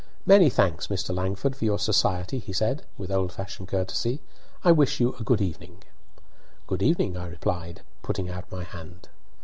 "Many thanks, Mr. Langford, for your society," he said, with old fashioned courtesy. "I wish you a good evening." "Good evening," I replied, putting out my hand.